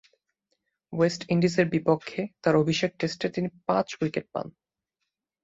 West ইন্ডিজের বিপক্ষে তার অভিষেক টেস্টে তিনি পাঁচ উইকেট পান।